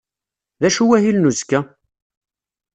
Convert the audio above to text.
D acu wahil n uzekka?